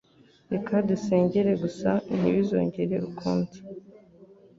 Reka dusengere gusa ntibizongere ukundi.